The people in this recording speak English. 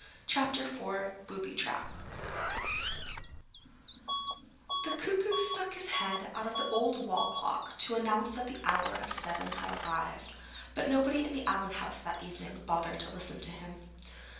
CHAPTER IV BOOBY TRAP The cuckoo stuck his head out of the old wall clock to announce that the hour of seven had arrived. But nobody in the Allen house that evening bothered to listen to him.